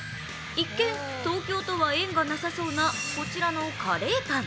一見、東京とは縁がなさそうなこちらのカレーパン。